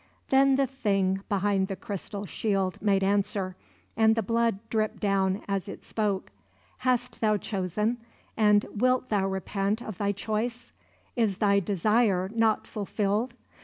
Then the Thing behind the crystal shield made answer, and the blood dripped down as It spoke: "Hast thou chosen, and wilt repent of thy choice? Is thy desire not fulfilled?